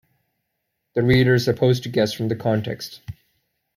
The reader is supposed to guess from the context.